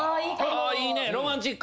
あいいねロマンチック。